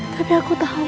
tapi aku tau